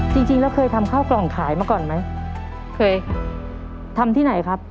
จริงจริงแล้วเคยทำข้าวกล่องขายมาก่อนไหมเคยค่ะทำที่ไหนครับ